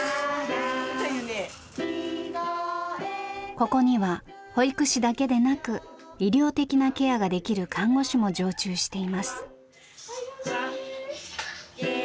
ここには保育士だけでなく医療的なケアができる看護師も常駐しています。